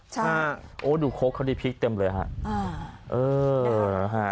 ใช่โอ้ดูโคกเค้าที่พริกเต็มเลยค่ะเออนะครับ